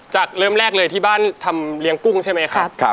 เริ่มแรกเลยที่บ้านทำเลี้ยงกุ้งใช่ไหมครับ